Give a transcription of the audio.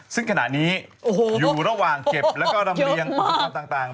ซึ่งขณะนี้อยู่ระหว่างเก็บแล้วก็ลำเรียงอุปกรณ์ต่าง